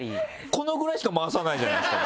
このぐらいしか回さないじゃないですか